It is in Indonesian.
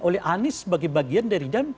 oleh anies sebagai bagian dari